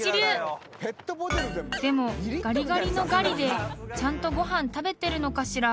［でもガリガリのガリでちゃんとご飯食べてるのかしら？］